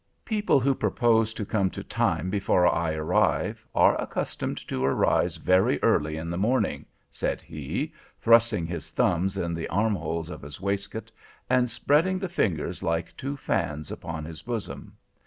People who propose to come to time before I arrive, are accustomed to arise very early in the morning,' said he, thrusting his thumbs in the armholes of his waistcoat, and spreading the fingers, like two fans, upon his bosom.